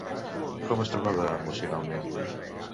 Com es trobava emocionalment?